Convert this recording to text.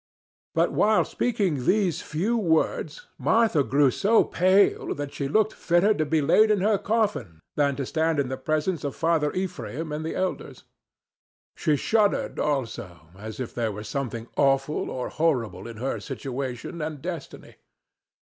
But while speaking these few words Martha grew so pale that she looked fitter to be laid in her coffin than to stand in the presence of Father Ephraim and the elders; she shuddered, also, as if there were something awful or horrible in her situation and destiny.